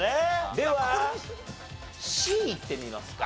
ではＣいってみますか。